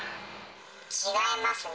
違いますね。